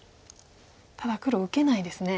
ただ黒受けないですね。